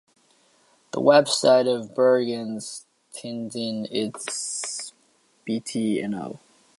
The website of "Bergens Tidende" is bt.no.